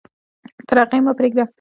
تر هغې مه پرېږده.